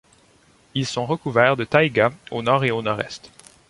Ils sont recouverts de taïga au nord et au nord-est.